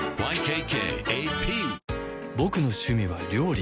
ボクの趣味は料理